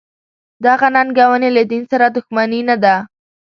دغه ننګونې له دین سره دښمني نه ده.